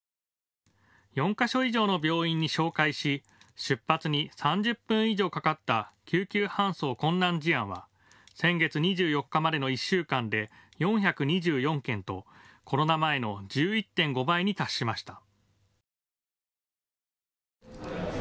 ４か所以上の病院に照会し出発に３０分以上かかった救急搬送困難事案は先月２４日までの１週間で４２４件とコロナ前の１１．５倍に達しました。